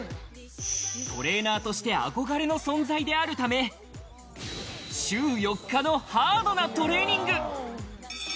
トレーナーとして憧れの存在であるため、週４日のハードなトレーニング。